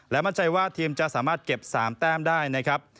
มั่นใจว่าทีมจะสามารถเก็บ๓แต้มได้นะครับ